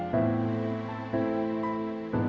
terima kasih ya